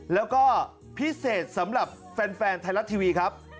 แล้วก็พิเศษสำหรับแฟนไทยรัฐทีวีครับ